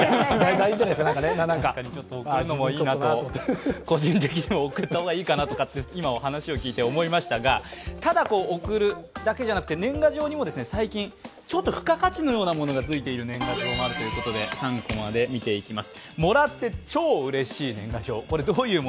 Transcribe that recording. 確かに個人的にも送った方がいいかなと、今、話を聞いて思いましたが、ただ送るだけじゃなくて年賀状にも最近付加価値のようなものがついている年賀状があるということで「３コマ」で見ていきます。